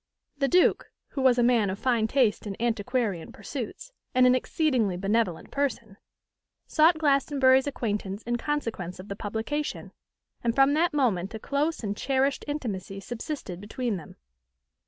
The duke, who was a man of fine taste and antiquarian pursuits, and an exceedingly benevolent person, sought Glastonbury's acquaintance in consequence of the publication, and from that moment a close and cherished intimacy subsisted between them.